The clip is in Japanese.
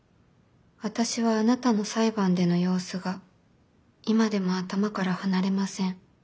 私はあなたの裁判での様子が今でも頭から離れません。